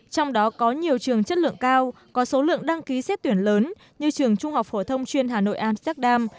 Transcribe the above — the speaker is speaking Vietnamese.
trong đó có nhiều trường chất lượng cao có số lượng đăng ký xét tuyển lớn như trường trung học phổ thông chuyên hà nội amsterdam